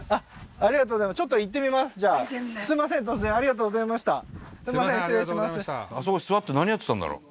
じゃああそこに座って何やってたんだろう？